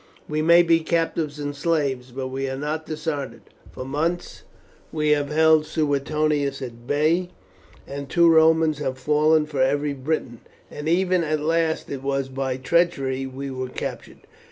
We may be captives and slaves, but we are not dishonoured. For months we have held Suetonius at bay, and two Romans have fallen for every Briton; and even at last it was by treachery we were captured.